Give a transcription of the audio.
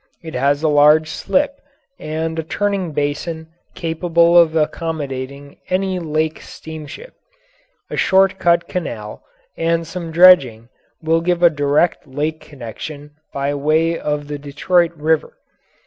It has a large slip and a turning basin capable of accommodating any lake steamship; a short cut canal and some dredging will give a direct lake connection by way of the Detroit River.